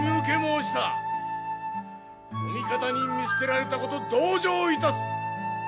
お味方に見捨てられたこと同情いたす。